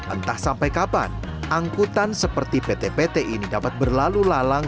entah sampai kapan angkutan seperti pt pt ini dapat berlalu lalang